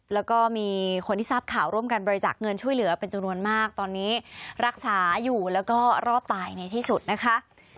แล้วก็มีคนที่ทราบข่าวร่วมกันบริจักษ์เงินช่วยเหลือเป็นจำนวนมากตอนนี้รักษาอยู่แล้วก็รอดตายในที่สุดนะคะ